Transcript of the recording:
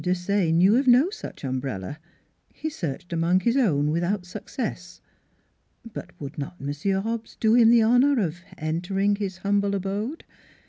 Desaye knew of no such umbrella. He searched among his own without success. But would not Monsieur Hobbs do him the honor of entering his humble abode?